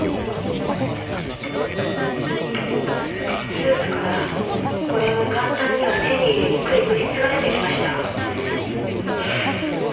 スープからこれも簡単には手に入れにくい物質が出てきました。